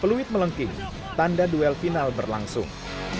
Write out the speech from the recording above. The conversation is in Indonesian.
peluit melengking tanda duel final berlangsung